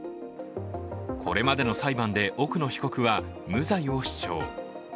これまでの裁判で奥野被告は無罪を主張。